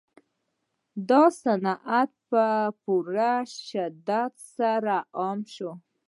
دا صنعت په پوره شدت سره عام شو